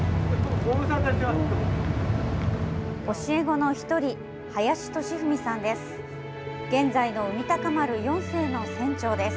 教え子の一人、林敏史さんです。